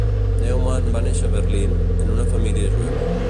Neumann va néixer a Berlin, en una família jueva.